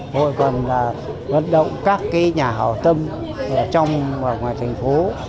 hội còn là hoạt động các cái nhà hòa tâm ở trong và ngoài thành phố